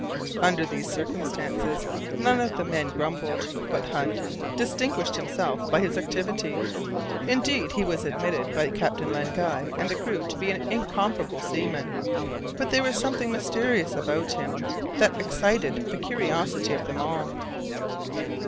Under these circumstances, none of the men grumbled, but Hunt distinguished himself by his activity. Indeed, he was admitted by Captain Len Guy and the crew to be an incomparable seaman. But there was something mysterious about him that excited the curiosity of them all.